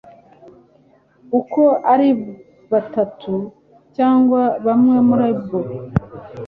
uko ari butatu cyangwa bumwe muri bwo